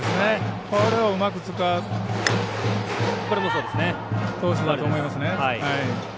これをうまく使う投手だと思います。